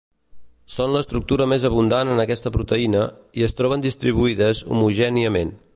Són l’estructura més abundant en aquesta proteïna, i es troben distribuïdes homogèniament.